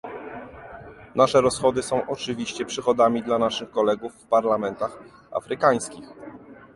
Nasze rozchody są oczywiście przychodami dla naszych kolegów w parlamentach afrykańskich